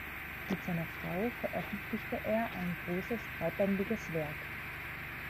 Mit seiner Frau veröffentlichte er ein großes dreibändiges Werk.